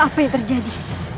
apa yang terjadi